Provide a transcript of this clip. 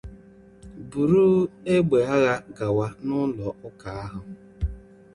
buru egbe agha gawa n’ụlọ ụka ahụ